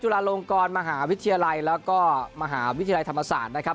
ลาลงกรมหาวิทยาลัยแล้วก็มหาวิทยาลัยธรรมศาสตร์นะครับ